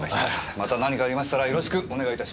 また何かありましたらよろしくお願いいたします。